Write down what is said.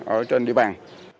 ở trên địa bàn